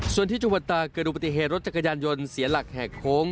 ส่วนที่จุภัตราเกิดดูปฏิเหตุรถจักรยานยนต์เสียหลักแห่งโค้ง